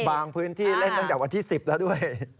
พื้นที่เล่นตั้งแต่วันที่๑๐แล้วด้วย